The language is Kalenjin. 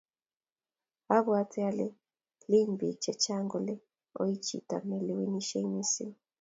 Abwoti ale lin bik che chang kole oi chito nelewenishei mising